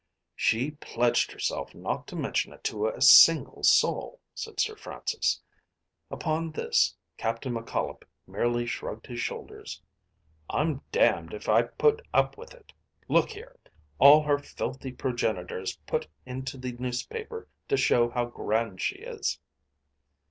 "She pledged herself not to mention it to a single soul," said Sir Francis. Upon this Captain McCollop merely shrugged his shoulders. "I'm d d if I put up with it. Look here! All her filthy progenitors put into the newspaper to show how grand she is."